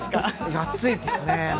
暑いですね。